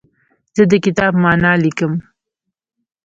زه د کتاب معنی لیکم.